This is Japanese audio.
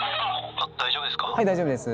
はい大丈夫です。